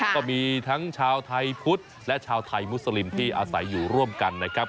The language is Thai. ก็มีทั้งชาวไทยพุทธและชาวไทยมุสลิมที่อาศัยอยู่ร่วมกันนะครับ